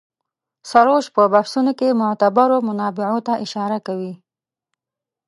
سروش په بحثونو کې معتبرو منابعو ته اشاره کوي.